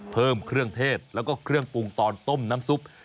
เพิ่มเครื่องเทศแล้วก็เครื่องปรุงตอนต้มน้ำซุป